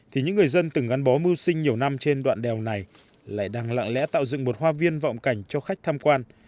thì những người dân từng gắn bó mưu sinh nhiều năm trên đoạn đèo này lại đang lặng lẽ tạo dựng một hoa viên vọng cảnh cho khách tham quan